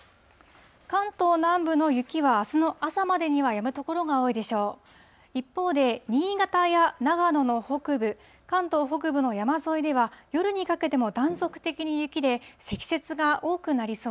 関東南部の雪はあすの朝までにはやむ所が多いでしょう。